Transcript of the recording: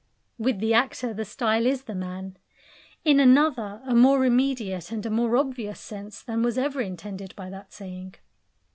With the actor the style is the man, in another, a more immediate, and a more obvious sense than was ever intended by that saying.